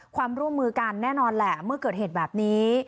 ความร่วมมือกันแน่นอนแหละเมื่อเกิดเหตุแบบนี้